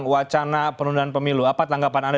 wacana penundaan pemilu apa tanggapan anda